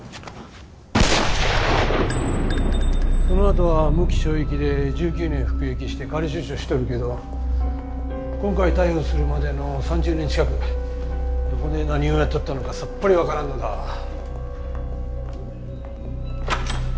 そのあとは無期懲役で１９年服役して仮出所しとるけど今回逮捕するまでの３０年近くどこで何をやっとったのかさっぱり分からんのだわ。